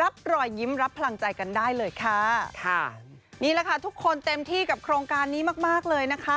รับรอยยิ้มรับพลังใจกันได้เลยค่ะค่ะนี่แหละค่ะทุกคนเต็มที่กับโครงการนี้มากมากเลยนะคะ